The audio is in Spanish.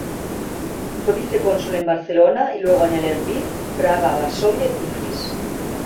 Fue vicecónsul en Barcelona, y luego en Lviv, Praga, Varsovia y Tiflis.